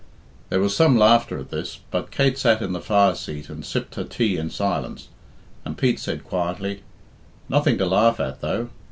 There was some laughter at this, but Kate sat in the fire seat and sipped her tea in silence, and Pete said quietly, "Nothing to laugh at, though.